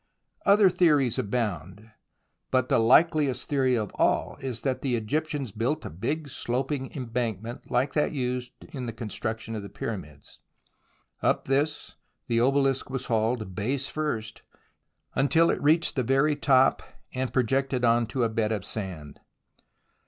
Other theories abound, but the hkeliest theory of 76 THE ROMANCE OF EXCAVATION all is that the Egyptians built a big sloping embank ment like that used in the construction of the Pyramids, Up this the obelisk was hauled, base first, until it reached the very top, and projected on to a bed of sand.